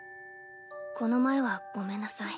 この前はごめんなさい。